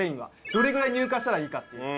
どれぐらい入荷したらいいかっていう。